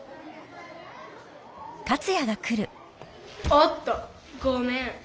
おっとごめん。